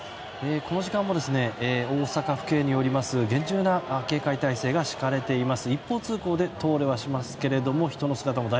この時間も、大阪府警によります厳重な警戒態勢が敷かれています。